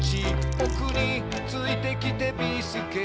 「ぼくについてきてビーすけ」